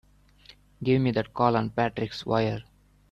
Give me that call on Patrick's wire!